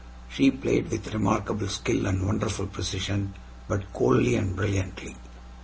She played with remarkable skill and wonderful precision, but coldly and brilliantly.